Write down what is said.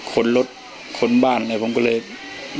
ถ้าใครอยากรู้ว่าลุงพลมีโปรแกรมทำอะไรที่ไหนยังไง